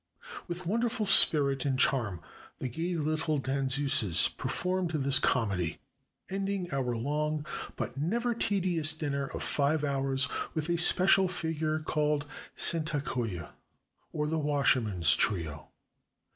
With wonder ful spirit and charm the gay little danseuses performed this comedy, ending our long but never tedious dinner of five hours with a special figure called Sentakuya, or the "Washermen's Trio."